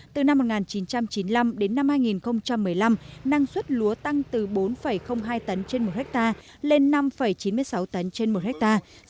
từ năm một nghìn chín trăm chín mươi năm đến năm hai nghìn một mươi năm năng suất lúa tăng từ bốn hai tấn trên một hectare lên năm chín mươi sáu tấn trên một hectare